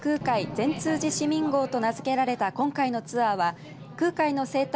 善通寺市民号と名付けられた今回のツアーは空海の生誕